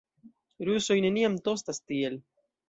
Rusoj neniam tostas tiel.